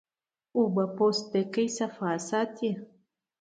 اوبه د پوستکي صفا ساتي